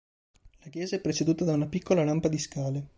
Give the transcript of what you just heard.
La chiesa è preceduta da una piccola rampa di scale.